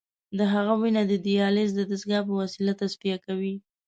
د هغه وینه د دیالیز د دستګاه په وسیله تصفیه کوي.